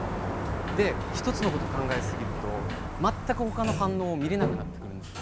１つのことを考えすぎると全くほかの反応が見られなくなってくるんですよ。